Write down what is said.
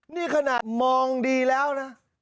นี่ขนาดมองดีแล้วนะ